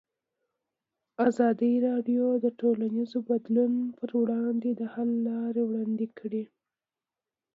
ازادي راډیو د ټولنیز بدلون پر وړاندې د حل لارې وړاندې کړي.